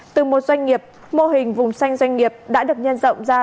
từ một doanh nghiệp mô hình vùng xanh doanh nghiệp đã được nhân rộng ra